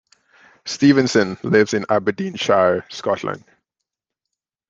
Stevenson lives in Aberdeenshire, Scotland.